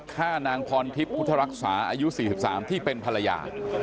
ฆ่านางพรทิพย์พุทธรักษาอายุ๔๓ที่เป็นภรรยา